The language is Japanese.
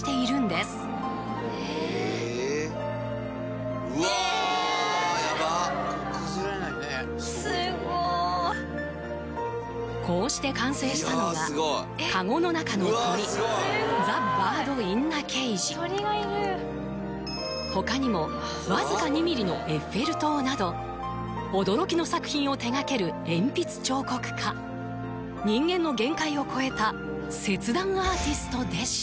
すっごこうして完成したのがカゴの中の鳥鳥がいる他にもわずか２ミリのエッフェル塔など驚きの作品を手がける鉛筆彫刻家人間の限界を超えた切断アーティストでした！